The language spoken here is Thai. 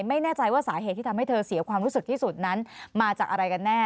ไม่แน่ใจว่าสาเหตุที่ทำให้เธอเสียความรู้สึกที่สุดนั้นมาจากอะไรกันแน่